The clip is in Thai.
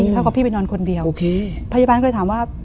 เท่ากับพี่ไปนอนคนเดียวโอเคพยาบาลก็เลยถามว่า